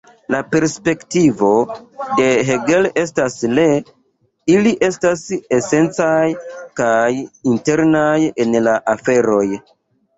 La perspektivo de Hegel estas le ili estas esencaj kaj internaj en la aferoj.